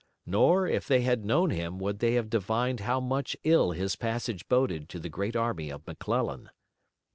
Nor, if they had known him would they have divined how much ill his passage boded to the great army of McClellan.